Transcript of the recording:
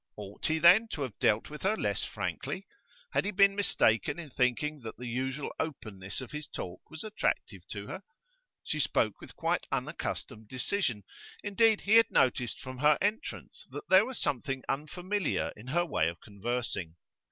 Ought he, then, to have dealt with her less frankly? Had he been mistaken in thinking that the unusual openness of his talk was attractive to her? She spoke with quite unaccustomed decision; indeed, he had noticed from her entrance that there was something unfamiliar in her way of conversing.